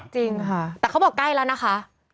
จริงค่ะแต่เขาบอกใกล้แล้วนะคะ